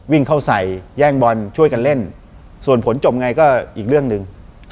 วิ่งเข้าใส่แย่งบอลช่วยกันเล่นส่วนผลจบไงก็อีกเรื่องหนึ่ง